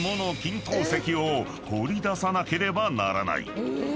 ［掘り出さなければならない］